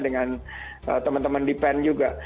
dengan teman teman di pen juga